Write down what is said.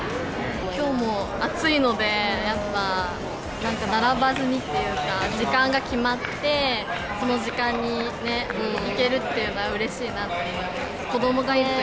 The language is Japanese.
きょうも暑いので、やっぱなんか並ばずにっていうか、時間が決まって、その時間にね、行けるっていうのはうれしいなって思います。